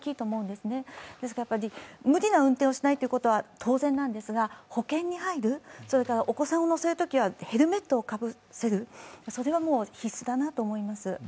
ですから、無理な運転をしないっていうことは当然なんですが保険に入る、お子さんを乗せるときはヘルメットをかぶせるそれはもう必須だなと思います。